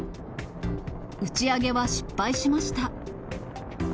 打ち上げは失敗しました。